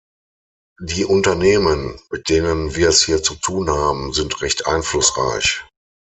Die Unternehmen, mit denen wir es hier zu tun haben, sind recht einflussreich.